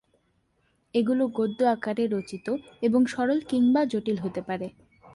এগুলো গদ্য আকারে রচিত এবং সরল কিংবা জটিল হতে পারে।